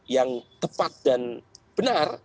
yang tepat dan benar